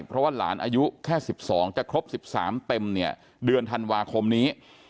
เพราะว่าหลานอายุแค่๑๒จะครบ๑๓เต็มเนี่ยเดือนธันวาคมนี้